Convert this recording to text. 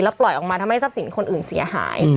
ปล่อยออกมาทำให้ทรัพย์สินคนอื่นเสียหาย